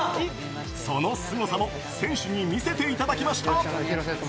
そのスゴさも選手に見せていただきました。